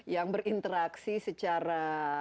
yang berinteraksi secara